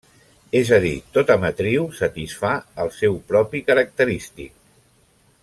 És a dir, tota matriu satisfà el seu propi característic.